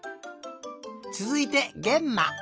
つづいてげんま。